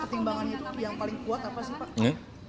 pertimbangannya itu yang paling kuat apa sih pak